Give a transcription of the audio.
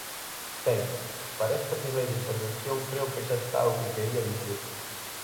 Ben, para esta primeira intervención creo que xa está o que quería dicir.